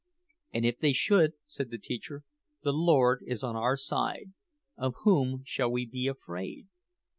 "And if they should," said the teacher, "the Lord is on our side; of whom shall we be afraid?"